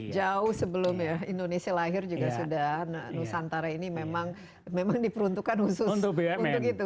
jauh sebelum ya indonesia lahir juga sudah nusantara ini memang diperuntukkan khusus untuk itu